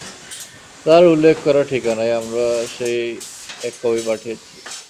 তার উল্লেখ করা ঠিকানায় আমরা সেই এক কপি পাঠিয়েছি।